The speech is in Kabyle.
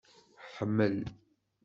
Hmel.